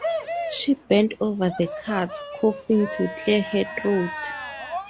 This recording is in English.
She bent over the cards, coughing, to clear her throat.